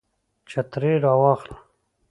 چترۍ را واخله